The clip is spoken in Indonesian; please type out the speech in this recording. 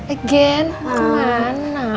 egen mau kemana